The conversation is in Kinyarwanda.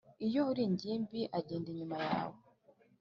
iyo uri ingimbi agenda inyuma yawe